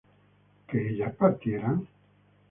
¿que ellas partieran?